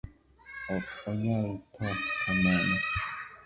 Ok anyal thoo kamano